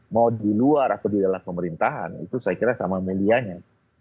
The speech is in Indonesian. mau di luar atau di dalam pemerintahan itu saya kira sama medianya